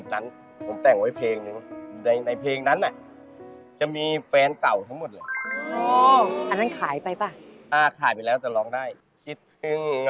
ในเพลงนั้นน่ะจะมีแฟนเก่าทั้งหมดเลย